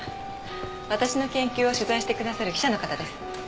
私の研究を取材してくださる記者の方です。